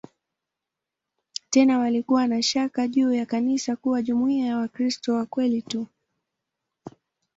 Tena walikuwa na shaka juu ya kanisa kuwa jumuiya ya "Wakristo wa kweli tu".